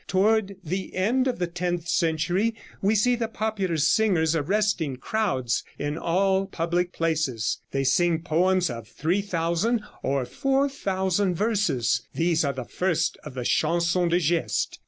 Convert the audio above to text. Toward the end of the tenth century we see the popular singers arresting crowds in all public places. They sing poems of 3,000 or 4,000 verses. These are the first of the Chansons de Geste.